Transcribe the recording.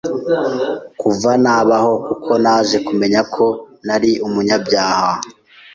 kuva nabaho kuko naje kumenya ko nari umunyabyaha